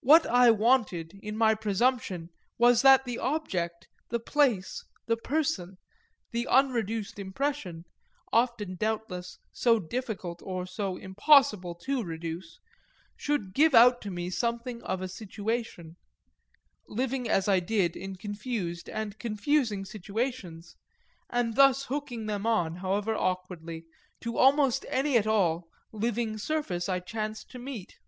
What I wanted, in my presumption, was that the object, the place, the person, the unreduced impression, often doubtless so difficult or so impossible to reduce, should give out to me something of a situation; living as I did in confused and confusing situations and thus hooking them on, however awkwardly, to almost any at all living surface I chanced to meet.